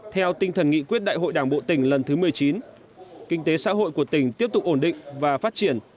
theo tinh thần nghị quyết đại hội đảng bộ tỉnh lần thứ một mươi chín kinh tế xã hội của tỉnh tiếp tục ổn định và phát triển